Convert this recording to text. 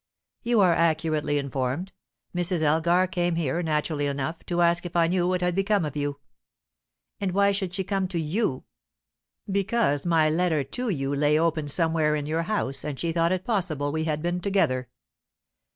"You are accurately informed. Mrs. Elgar came here, naturally enough, to ask if I knew what had become of you." "And why should she come to you?" "Because my letter to you lay open somewhere in your house, and she thought it possible we had been together."